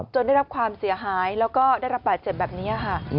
ได้รับความเสียหายแล้วก็ได้รับบาดเจ็บแบบนี้ค่ะ